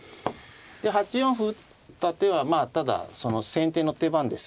で８四歩打った手はまあただその先手の手番ですのでね